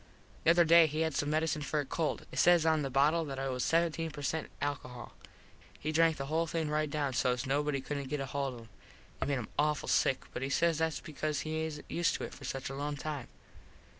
The other day he had some medecine for a cold. It says on the bottle that it was 17 per cent alcohol. He drank the whole thing right down sos nobody couldnt get hold of it. It made him awful sick but he says thats because he isnt used to it for such a long time.